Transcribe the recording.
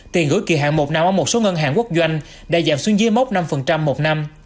tiền gửi kỳ hạn một năm ở một số ngân hàng quốc doanh đã giảm xuống dưới mốc năm một năm